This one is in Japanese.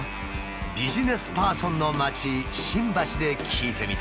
ビジネスパーソンの街新橋で聞いてみた。